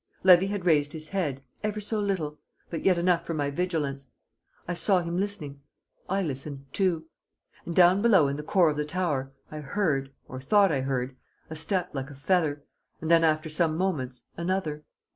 Levy had raised his head, ever so little, but yet enough for my vigilance. I saw him listening. I listened too. And down below in the core of the tower I heard, or thought I heard, a step like a feather, and then after some moments another.